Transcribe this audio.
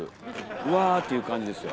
「うわ」っていう感じですよ。